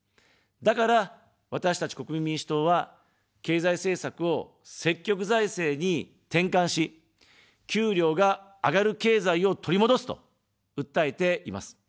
だから、私たち国民民主党は、経済政策を積極財政に転換し、給料が上がる経済を取り戻すと訴えています。